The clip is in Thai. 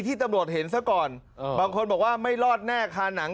ที่ตำรวจเห็นซะก่อนบางคนบอกว่าไม่รอดแน่คาหนัง